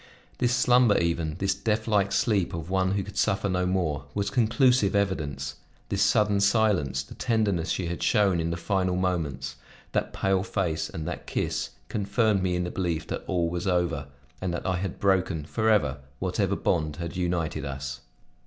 This slumber even, this deathlike sleep of one who could suffer no more, was conclusive evidence; this sudden silence, the tenderness she had shown in the final moments, that pale face, and that kiss, confirmed me in the belief that all was over, and that I had broken, forever, whatever bond had united us.